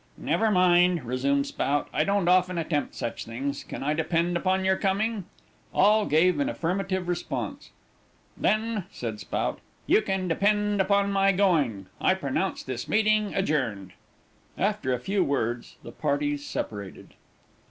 "Never mind," resumed Spout, "I don't often attempt such things. Can I depend upon your coming?" All gave an affirmative response. "Then," said Spout, "you can depend upon my going, I pronounce this meeting adjourned." After a few words the parties separated.